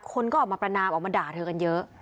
คนก็ออกมาประนามออกมาด่าเธอกันเยอะ